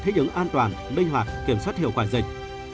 thích ứng an toàn minh hoạt kiểm soát hiệu quả dịch